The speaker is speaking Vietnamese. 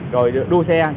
rồi đua xe